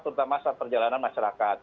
terutama saat perjalanan masyarakat